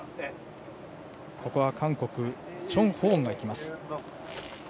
ここは韓国、チョン・ホウォンがいきます。